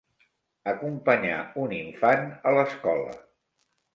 Acompanyar un infant a l'escola.